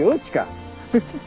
フフッ。